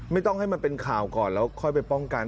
ไม่ต้องให้มันเป็นข่าวก่อนแล้วค่อยไปป้องกัน